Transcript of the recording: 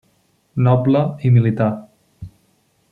Noble i militar.